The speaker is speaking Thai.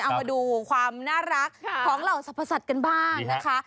เอามาดูความน่ารักของเหล่าสรรพสัตว์กันบ้างนะคะ